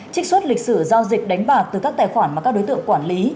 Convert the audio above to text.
trích xuất lịch sử giao dịch đánh bạc từ các tài khoản mà các đối tượng quản lý